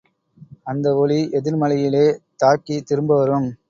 அந்த ஒலி எதிர்மலையிலே தாக்கித் திரும்பவரும்.